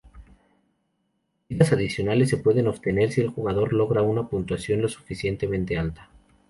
Vidas adicionales se pueden obtener si el jugador logra una puntuación lo suficientemente alta.